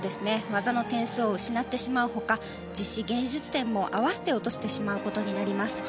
技の点数を失ってしまうほか実施・芸術点も合わせて落としてしまうことになります。